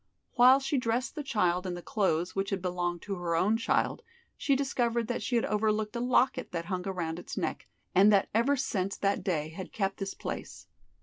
While she dressed the child in the clothes which had belonged to her own child, she discovered that she had overlooked a locket that hung around its neck, and that ever since that day had kept this place.